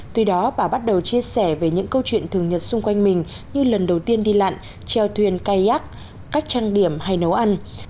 từ đó bà bắt đầu chia sẻ về những câu chuyện thường nhật xung quanh mình như lần đầu tiên đi lặn treo thuyền cairc cách trang điểm hay nấu ăn